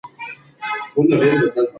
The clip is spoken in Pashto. که جایزه وي نو سیالي نه سړه کیږي.